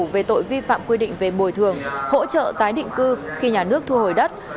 về tội vi phạm quy định về bồi thường hỗ trợ tái định cư khi nhà nước thu hồi đất